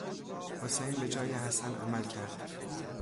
حسین به جای حسن عمل کرد.